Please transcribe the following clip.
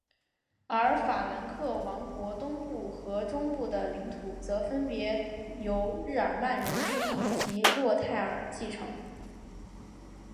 而法兰克王国东部和中部的领土则分别由日耳曼人路易及洛泰尔继承。